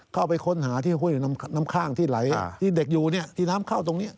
เข้าไปค้นหาที่ห้วยน้ำข้างที่ไหลที่เด็กอยู่ที่น้ำเข้าตรงนี้